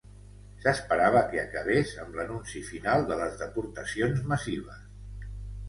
S'esperava que acabés amb l'anunci final de les deportacions massives.